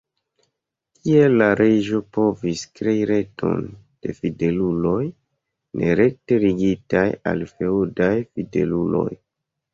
Tiel la reĝo povis krei reton de fideluloj ne rekte ligitaj al feŭdaj fideluloj.